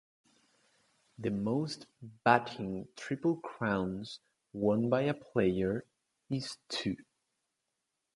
The most batting Triple Crowns won by a player is two.